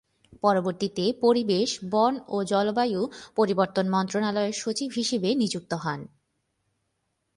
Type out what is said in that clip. পরবর্তীতে পরিবেশ, বন ও জলবায়ু পরিবর্তন মন্ত্রণালয়ের সচিব হিসেবে নিযুক্ত হন।